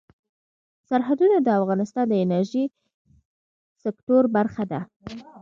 سرحدونه د افغانستان د انرژۍ سکتور برخه ده.